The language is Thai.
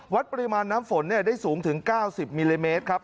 วัดปริมาณน้ำฝนได้สูงถึง๙๐มิลลิเมตรครับ